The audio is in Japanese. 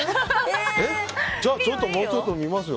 じゃあもうちょっと見ますよ。